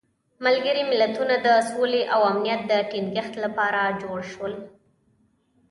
ملګري ملتونه د سولې او امنیت د تینګښت لپاره جوړ شول.